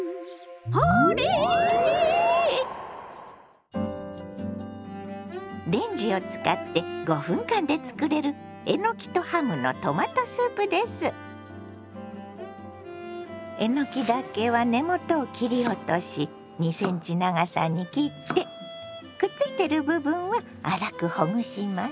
あれ⁉レンジを使って５分間で作れるえのきだけは根元を切り落とし２ｃｍ長さに切ってくっついてる部分を粗くほぐします。